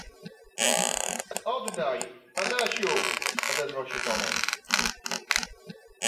"„Oddaj, Adasiu!“ odezwał się Tomek."